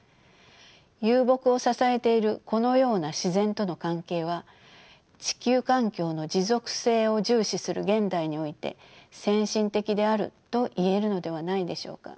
遊牧を支えているこのような自然との関係は地球環境の持続性を重視する現代において先進的であると言えるのではないでしょうか。